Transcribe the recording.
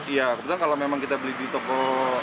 iya kebetulan kalau memang kita beli di toko